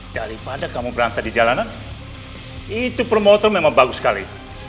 daripada kamu berantai di jalanan itu promotor memang bagus sekali